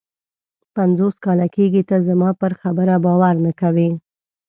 پنځوس کاله کېږي ته زما پر خبره باور نه کوې.